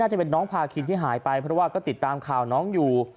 จะเป็นน้องพาคินที่หายไปเพราะว่าก็ติดตามข่าวน้องอยู่